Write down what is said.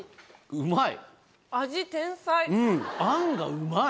うまい！